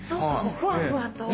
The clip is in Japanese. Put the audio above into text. ふわふわと。